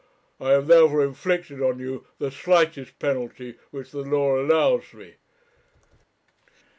I have, therefore, inflicted on you the slightest penalty which the law allows me.